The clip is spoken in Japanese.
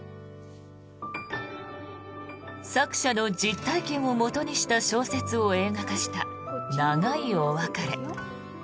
作者の実体験をもとにした小説を映画化した「長いお別れ」。